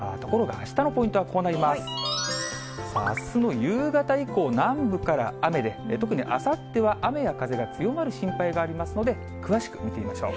あすの夕方以降、南部から雨で、特にあさっては雨や風が強まる心配がありますので、詳しく見てみましょう。